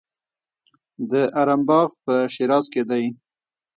د ارم باغ په شیراز کې دی.